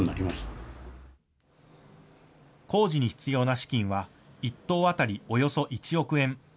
工事に必要な資金は１棟当たりおよそ１億円。